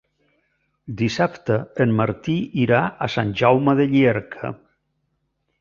Dissabte en Martí irà a Sant Jaume de Llierca.